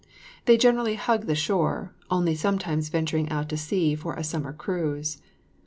They generally hug the shore, only sometimes venturing out to sea for a summer cruise.